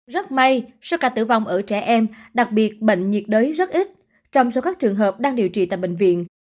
rất may số ca tử vong ở trẻ em đặc biệt bệnh nhiệt đới rất ít trong số các trường hợp đang điều trị tại bệnh viện